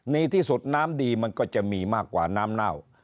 ในที่สุดน้ำดีมันก็จะมีมากกว่าน้ำเน่า